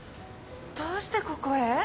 どうしてここへ？